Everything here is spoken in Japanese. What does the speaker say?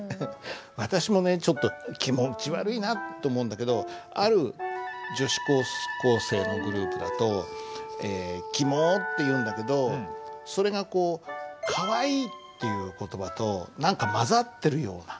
私もねちょっと気持ち悪いなと思うんだけどある女子高校生のグループだと「キモ」って言うんだけどそれがこう「カワイイ」っていう言葉と何か混ざってるような。